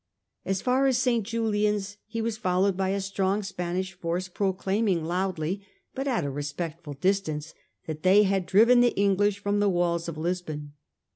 As far as St. Julian's he was followed by a strong Spanish force proclaiming loudly, but at a respectful distance, that they had driven the English from the walls of Lisbon.